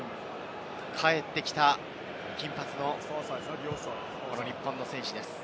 帰ってきた金髪のこの日本の選手です。